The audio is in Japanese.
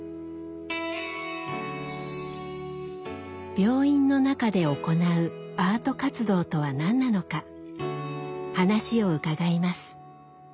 病院の中で行う“アート活動”とは何なのか話を伺います。